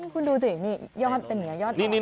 คุณดูดูนี่ยอดเป็นอย่างไรยอดหรือ